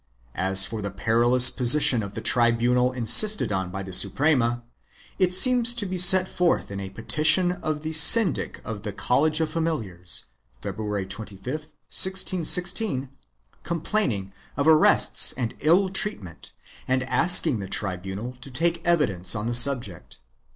As for the perilous position of the tribunal insisted on by the Suprema, it seems to be set forth in a petition of the syndic of the College of Familiars, February 25, 1616, complaining of arrests and ill treatment and asking the tribunal to take evidence on the subject.